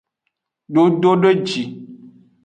Dododeji.